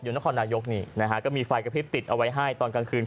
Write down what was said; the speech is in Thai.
นครนายกนี่นะฮะก็มีไฟกระพริบติดเอาไว้ให้ตอนกลางคืน